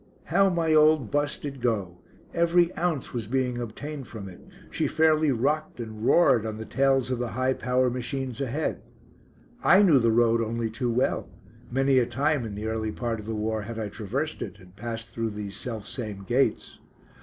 How my old "bus" did go; every ounce was being obtained from it; she fairly rocked and roared on the tails of the high power machines ahead. I knew the road only too well; many a time in the early part of the war had I traversed it, and passed through these self same gates.